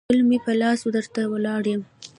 ګل مې په لاس درته ولاړ یم